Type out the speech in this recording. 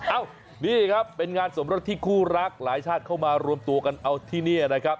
เอ้านี่ครับเป็นงานสมรสที่คู่รักหลายชาติเข้ามารวมตัวกันเอาที่นี่นะครับ